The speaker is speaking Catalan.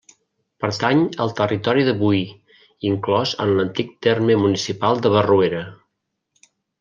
Pertany al territori de Boí, inclòs en l'antic terme municipal de Barruera.